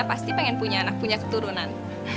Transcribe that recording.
pasti pengen punya anak punya keturunan